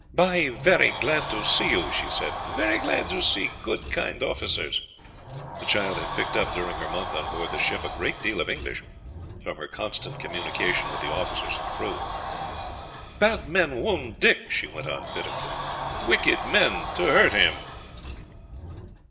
"Bahi very glad to see you," she said, "very glad to see good, kind officers." The child had picked up, during her month on board the ship, a great deal of English, from her constant communication with the officers and crew. "Bad men wound Dick," she went on pitifully. "Wicked men to hurt him."